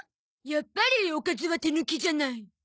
やっぱりおかずは手抜きじゃない。